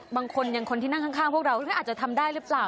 บางคนอย่างคนที่นั่งข้างพวกเราอาจจะทำได้หรือเปล่า